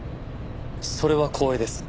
それは光栄です。